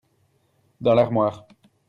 Dans l'armoire.